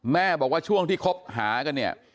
แม่บอกว่าช่วงที่คบหากันเนี่ย